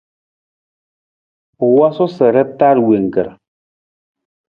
U wosu sa ra taar wangkar.